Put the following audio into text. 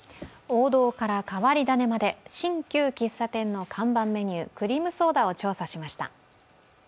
王道から変わり種まで、新旧喫茶店の看板メニュー、クリームソーダを調査しました。